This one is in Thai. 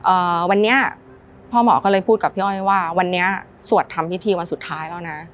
เอ่อวันนี้พ่อหมอก็เลยพูดกับพี่อ้อยว่าวันนี้สวดทำพิธีวันสุดท้ายแล้วนะ